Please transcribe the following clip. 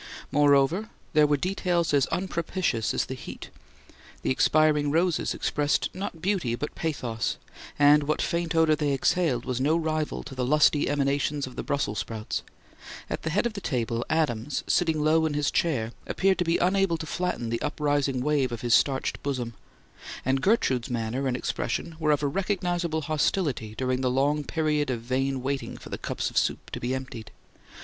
Moreover, there were details as unpropitious as the heat: the expiring roses expressed not beauty but pathos, and what faint odour they exhaled was no rival to the lusty emanations of the Brussels sprouts; at the head of the table, Adams, sitting low in his chair, appeared to be unable to flatten the uprising wave of his starched bosom; and Gertrude's manner and expression were of a recognizable hostility during the long period of vain waiting for the cups of soup to be emptied.